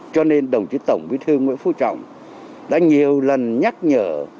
cho nên đồng chí tổng bí thư nguyễn phú trọng đã nhiều lần nhắc nhở